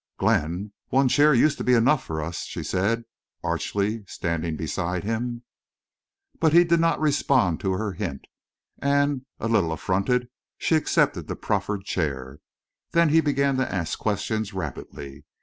"Glenn, one chair used to be enough for us," she said, archly, standing beside him. But he did not respond to her hint, and, a little affronted, she accepted the proffered chair. Then he began to ask questions rapidly.